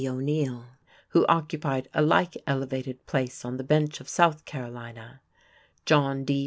O'Neill, who occupied a like elevated place on the bench of South Carolina, John D.